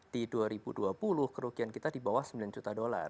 di dua ribu dua puluh kerugian kita di bawah sembilan juta dolar